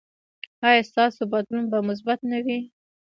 ایا ستاسو بدلون به مثبت نه وي؟